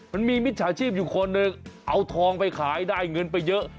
มันมีมิจฉาชีพอยู่คนเอาทองไปขายได้เงินไปเยอะ